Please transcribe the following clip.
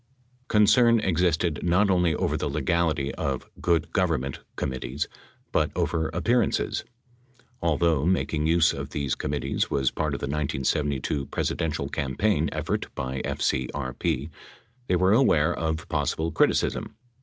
Concern existed not only over the legality of "good government" committees, but over appearances. Although making use of these com mittees was part of the 1972 Presidential campaign effort by FCRP, they were aware of possible criticism.